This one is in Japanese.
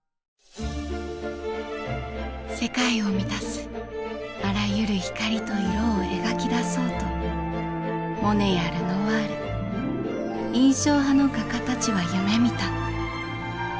世界を満たすあらゆる光と色を描き出そうとモネやルノワール印象派の画家たちは夢みた。